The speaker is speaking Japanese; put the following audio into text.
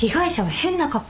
変な格好。